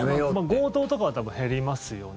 強盗とかは多分、減りますよね。